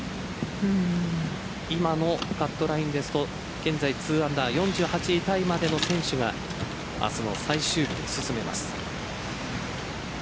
今のカットラインですと現在、２アンダー４８位タイまでの選手が明日の最終日に進めます。